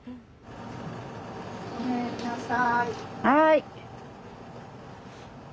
はい。